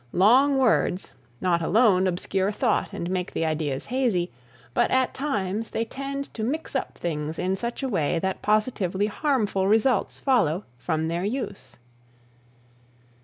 Long words, not alone obscure thought and make the ideas hazy, but at times they tend to mix up things in such a way that positively harmful results follow from their use.